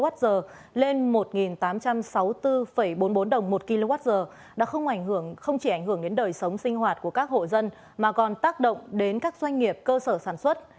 tăng giá điện tăng từ một bảy trăm hai mươi sáu mươi năm đồng một kwh lên một tám trăm sáu mươi bốn bốn mươi bốn đồng một kwh đã không chỉ ảnh hưởng đến đời sống sinh hoạt của các hộ dân mà còn tác động đến các doanh nghiệp cơ sở sản xuất